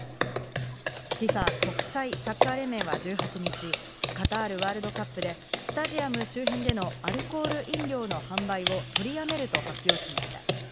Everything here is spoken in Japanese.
ＦＩＦＡ＝国際サッカー連盟は１８日、カタールワールドカップでスタジアム周辺でのアルコール飲料の販売を取り止めると発表しました。